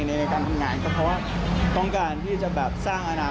ดีมากเลยครับเป็นความโชคดีของผมนะ